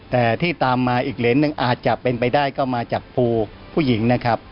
แต่ที่ตามมาอีกเหรียญหนึ่งอาจจะเป็นไปได้ก็มาจากภูผู้หญิงนะครับ